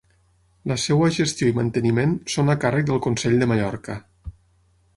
La seva gestió i manteniment són a càrrec del Consell de Mallorca.